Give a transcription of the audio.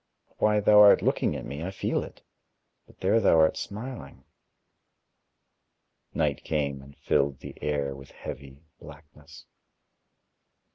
Why, thou art looking at me, I feel it, but there thou art smiling." Night came, and filled the air with heavy blackness.